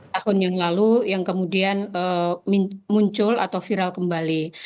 tahun yang lalu yang kemudian muncul atau viral kembali